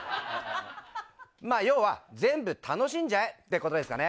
まあ、要は全部楽しんじゃえってことですかね。